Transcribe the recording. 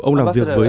ông làm việc với